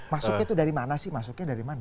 masuknya itu dari mana sih masuknya dari mana